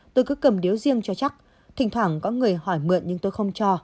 tôi cứ cầm điếu riêng cho chắc thỉnh thoảng có người hỏi mượn nhưng tôi không cho